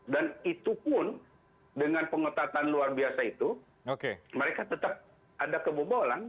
itu pun dengan pengetatan luar biasa itu mereka tetap ada kebobolan